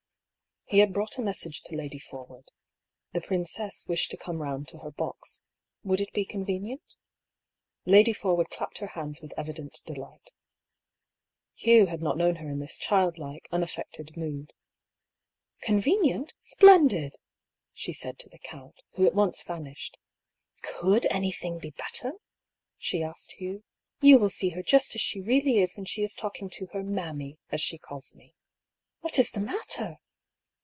He had brought a message to Lady Forwood : the princess wished to come round to her box — would it be convenient? Lady Forwood clapped her hands with evident de light. Hugh had not known her in this child like, unaf fected mood. "Convenient? Splendid!" she said to the count, who at once vanished. ^^ Could anything be better?" she asked Hugh. " You will see her just as she really is when she is talk ing to her ' mammy,' as she calls me. What is the mat ter?"